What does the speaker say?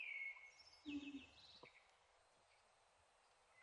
مولنا هلته په هره پلمه وساتي.